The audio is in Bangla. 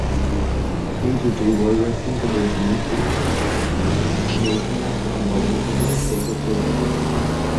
এই জুটি ওয়ার্ল্ড রেসলিং ফেডারেশনে পুরুষদের মিশনে যাওয়ার আগে নেলসন নাইট এবং ববি নাইটের বিপক্ষে প্রতিযোগিতা করবেন।